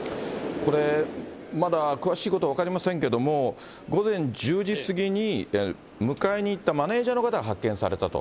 これ、まだ詳しいこと分かりませんけれども、午前１０時過ぎに、いわゆる迎えに行ったマネージャーの方が発見されたと。